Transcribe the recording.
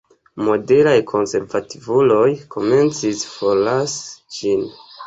Moderaj konservativuloj komencis forlasi ĝin.